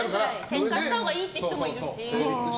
ケンカしたほうがいいっていう人もいるし。